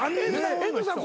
遠藤さん